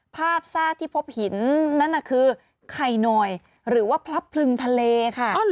ซากที่พบหินนั่นน่ะคือไข่นอยหรือว่าพลับพลึงทะเลค่ะ